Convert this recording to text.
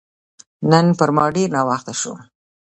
نن پر ما ډېر ناوخته شو